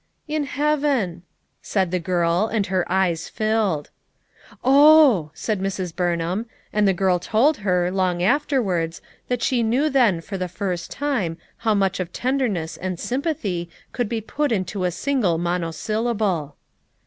"In heaven," said the girl and her eyes filled. "Oh!" said Mrs. Bumham, and the girl told her, long afterwards, that she knew then for the iirst time how much of tenderness and sympathy could be put into a single monosyl lable.